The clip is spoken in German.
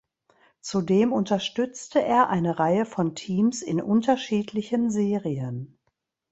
Zudem unterstützte er eine Reihe von Teams in unterschiedlichen Serien.